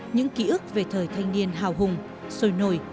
những ký ức về thời thanh niên hào hùng sôi nổi